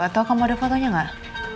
atau kamu ada fotonya enggak